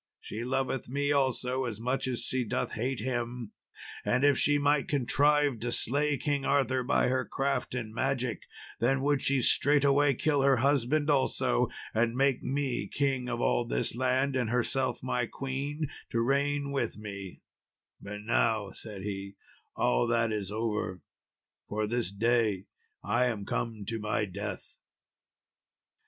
She loveth me also as much as she doth hate him; and if she might contrive to slay King Arthur by her craft and magic, then would she straightway kill her husband also, and make me the king of all this land, and herself my queen, to reign with me; but now," said he, "all that is over, for this day I am come to my death."